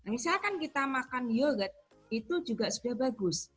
misalkan kita makan yogurt itu juga sudah bagus